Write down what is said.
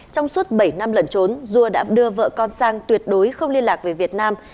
trong suốt bảy năm lẩn trốn dua đã đưa vợ con sang tuyệt đối không liên lạc về việt nam